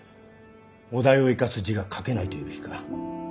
お題を生かす字が書けないと言うべきか。